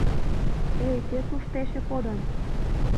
Эй, кӧ тушто эше кодын?!